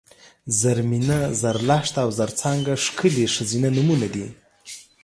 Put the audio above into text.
زرمېنه ، زرلښته او زرڅانګه ښکلي ښځینه نومونه دي